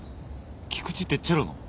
菊池ってチェロの？